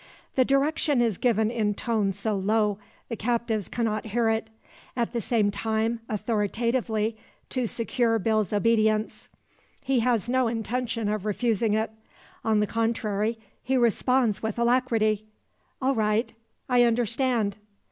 The direction is given in tone so low the captives cannot hear it; at the same time authoritatively, to secure Bill's obedience. He has no intention of refusing it. On the contrary, he responds with alacrity: "All right. I understand."